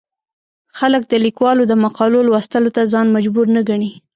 خلک د ليکوالو د مقالو لوستلو ته ځان مجبور نه ګڼي.